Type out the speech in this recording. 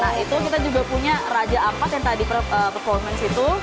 kita juga punya raja angpat yang tadi performance itu